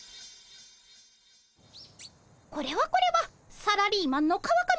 これはこれはサラリーマンの川上さま。